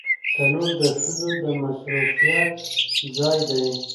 تنور د ښځو د مصروفيت ځای دی